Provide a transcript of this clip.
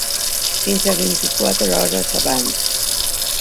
Fins a vint-i-quatre hores abans.